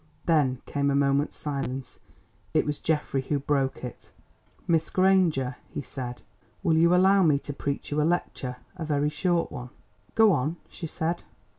Then came a moment's silence. It was Geoffrey who broke it. "Miss Granger," he said, "will you allow me to preach you a lecture, a very short one?" "Go on," she said.